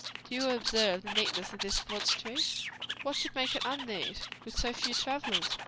Do you observe the neatness of this broad street?" "What should make it unneat? with so few travellers?"